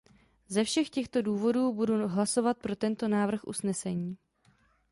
Ze všech těchto důvodů budu hlasovat pro tento návrh usnesení.